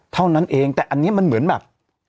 เท่านั้นเองแต่อันนี้มันเหมือนแบบ